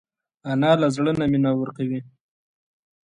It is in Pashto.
انا له زړه نه مینه ورکوي